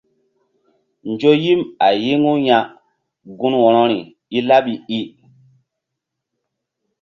Nzo yim a yi̧ŋu ya gun wo̧rori i laɓi i.